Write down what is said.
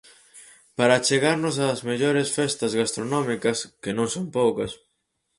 Para achegarnos as mellores festas gastronómicas, que non son poucas...